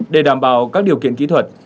để đảm bảo các điều kiện kỹ thuật